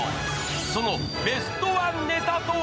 そのベストワンネタとは！